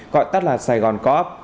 gọi tắt là sài gòn co op